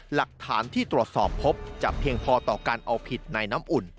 หลักฐานที่ตรวจสอบพบจะเพียงพอต่อการเอาผิดในน้ำอุ่น